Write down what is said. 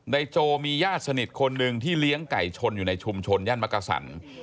โจมีญาติสนิทคนหนึ่งที่เลี้ยงไก่ชนอยู่ในชุมชนย่านมักกะสัน